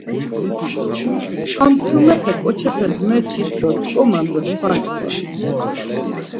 Ham kyumepe ǩoçepes meçit do ç̌ǩoman do şvan çkva.